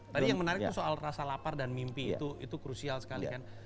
tadi yang menarik itu soal rasa lapar dan mimpi itu krusial sekali kan